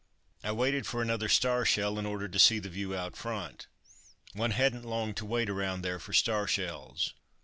I waited for another star shell in order to see the view out in front. One hadn't long to wait around there for star shells.